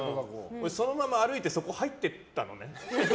そのまま歩いてそこに入っていったのね。